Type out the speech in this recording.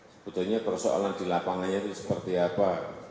sebetulnya persoalan di lapangannya itu seperti apa